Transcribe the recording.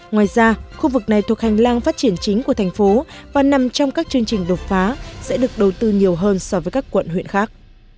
ngoài ra khu vực này thuộc hành lang phát triển chính của thành phố và nằm trong các chương trình đột phá sẽ được đầu tư nhiều hơn so với các quận huyện khác